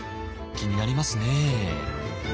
気になりますね。